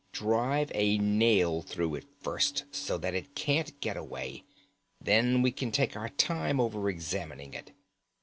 "Drive a nail through it first, so that it can't get away; then we can take our time over examining it."